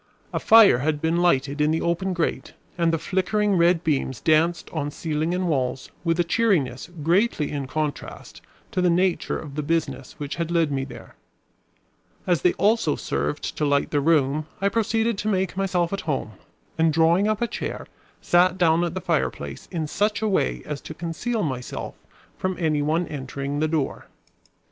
A fire had been lighted in the open grate, and the flickering red beams danced on ceiling and walls with a cheeriness greatly in contrast to the nature of the business which had led me there. As they also served to light the room I proceeded to make myself at home; and drawing up a chair, sat down at the fireplace in such a way as to conceal myself from any one entering the door.